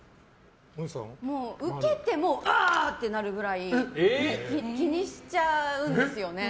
ウケてもあ゛ぁ！ってなるくらい気にしちゃうんですよね。